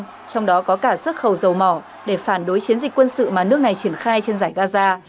trong đó có cả xuất khẩu dầu mỏ để phản đối chiến dịch quân sự mà nước này triển khai trên giải gaza